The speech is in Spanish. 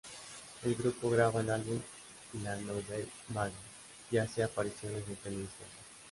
El grupo graba el álbum "La Nouvelle Vague" y hace apariciones en televisión.